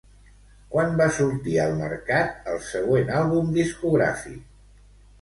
Quan va sortir al mercat el següent àlbum discogràfic?